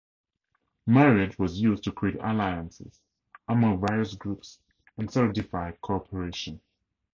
Marriage was used to create alliances among various groups and solidify cooperation.